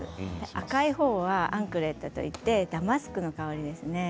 赤い方はアンクレットといってダマスクの香りですね。